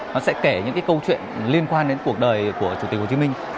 nó sẽ kể những cái câu chuyện liên quan đến cuộc đời của chủ tịch hồ chí minh